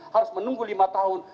harus menunggu lima tahun